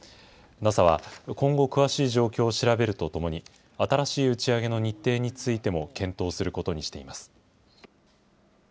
ＮＡＳＡは今後、詳しい状況を調べるとともに、新しい打ち上げの日程についても検討することにしています。